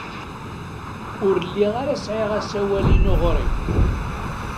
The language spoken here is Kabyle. Ur lliɣ ara sɛiɣ asawal-inu ɣer-i.